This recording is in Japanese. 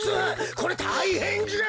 こりゃたいへんじゃ！